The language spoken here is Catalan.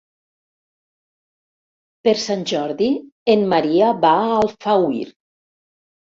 Per Sant Jordi en Maria va a Alfauir.